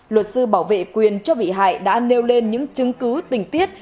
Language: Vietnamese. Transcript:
luật sư bảo vệ quyền cho bị hại đã nêu lên những chứng cứ tình tiết